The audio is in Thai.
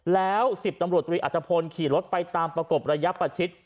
แล้ว๑๐ตำรวจตรีอัตภพลขี่รถไปตามประกบระยะประชิด